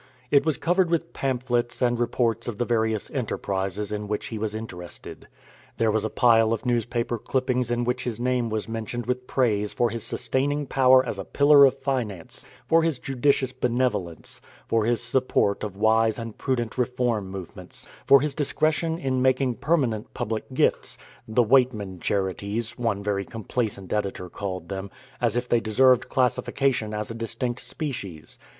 It was covered with pamphlets and reports of the various enterprises in which he was interested. There was a pile of newspaper clippings in which his name was mentioned with praise for his sustaining power as a pillar of finance, for his judicious benevolence, for his support of wise and prudent reform movements, for his discretion in making permanent public gifts "the Weightman Charities," one very complaisant editor called them, as if they deserved classification as a distinct species.